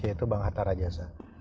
yaitu bang hatta rajasa